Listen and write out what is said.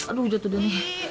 aduh jatuh dah nih